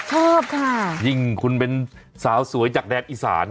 ชอบค่ะยิ่งคุณเป็นสาวสวยจากแดนอีสาน